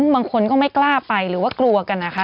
บางคนก็ไม่กล้าไปหรือว่ากลัวกันนะคะ